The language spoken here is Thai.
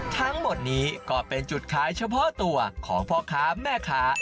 ทั้งหมดนี้ก็เป็นจุดขายเฉพาะตัวของพ่อค้าแม่ค้า